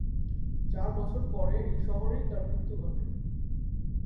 চার বছর পরে এই শহরেই তার মৃত্যু ঘটে।